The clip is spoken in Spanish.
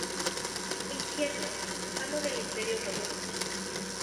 Infierno, amo del Imperio Robot.